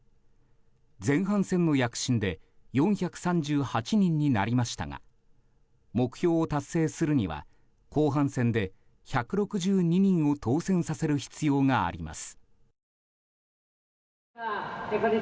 前半戦の躍進で４３８人になりましたが目標を達成するには後半戦で１６２人を当選させる必要があります。